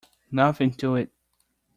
Nothing to it.